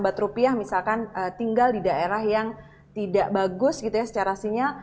dapat rupiah misalkan tinggal di daerah yang tidak bagus gitu ya secara sinyal